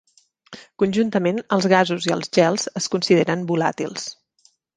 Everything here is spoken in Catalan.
Conjuntament, els gasos i els gels es consideren "volàtils".